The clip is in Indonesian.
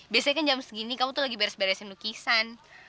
biasanya kan jam segini kamu tuh lagi beres beresin lukisan